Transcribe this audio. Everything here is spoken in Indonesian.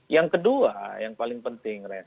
yang kedua yang paling penting